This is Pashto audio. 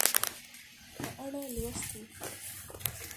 په اړه لوستي